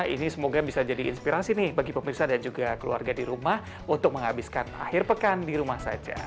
ini semoga bisa jadi inspirasi nih bagi pemirsa dan juga keluarga di rumah untuk menghabiskan akhir pekan di rumah saja